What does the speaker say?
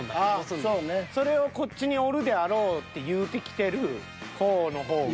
それをこっちにおるであろうって言うてきてる方の方が。